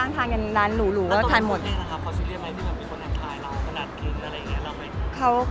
มีอย่างไรรู้กันอะ